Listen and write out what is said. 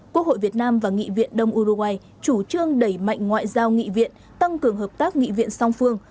quốc hội việt nam và nghị viện đông uruguay chủ trương đẩy mạnh ngoại giao nghị viện tăng cường hợp tác nghị viện song phương